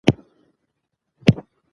د اور لمبې زیاتېدلې.